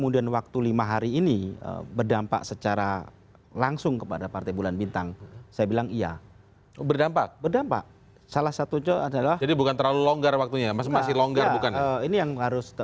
dan ini ada pertanyaan dari